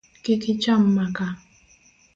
Kik icham maka.